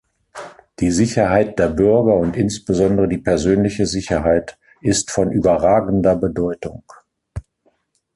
Die Sicherheit der Bürger und insbesondere die persönliche Sicherheit ist von überragender Bedeutung.